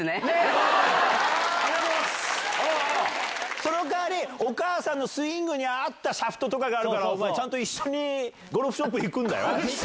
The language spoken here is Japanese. その代わり、お母さんのスイングに合ったシャフトとかがあるから、ちゃんと一緒にゴルフショップ行くんだよ。